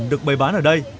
được bày bán ở đây